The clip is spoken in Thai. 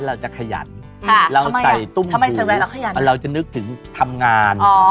เราจะขยันเราใส่ตุ้มทำไมเราขยันเราจะนึกถึงทำงาน